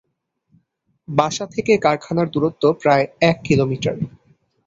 বাসা থেকে কারখানার দূরত্ব প্রায় এক কিলোমিটার।